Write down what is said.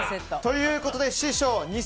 ということで師匠